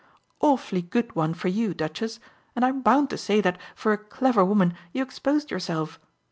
"Awfully good one for you, Duchess and I'm bound to say that, for a clever woman, you exposed yourself!